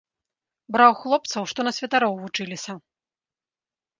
Браў хлапцоў, што на святароў вучыліся.